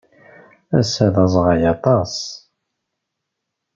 Ass-a, d aẓɣal aṭas.